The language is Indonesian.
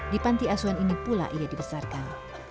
di panti asuhan ini pula ia dibesarkan